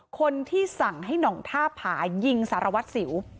คนที่สั่งให้หน่องท่าผายิงสารวัตรสิว